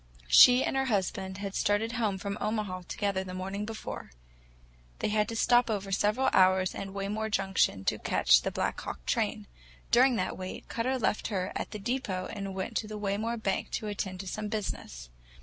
She and her husband had started home from Omaha together the morning before. They had to stop over several hours at Waymore Junction to catch the Black Hawk train. During the wait, Cutter left her at the depot and went to the Waymore bank to attend to some business.